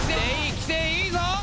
きていいぞ！